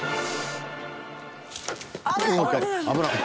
危ない。